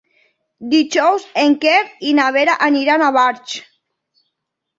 Dijous en Quer i na Vera aniran a Barx.